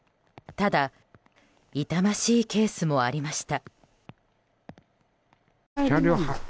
ただ、痛ましいケースもありました。